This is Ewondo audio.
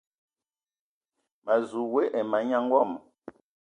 Ma zu we ai manyaŋ wama.